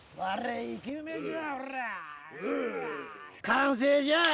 完成じゃ！